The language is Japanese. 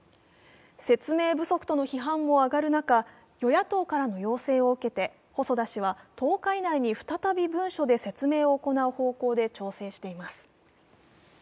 説明不足との批判も上がる中、与野党からの要請を受けて、細田氏は１０日以内に再び文書で説明を行う方向で調整しています。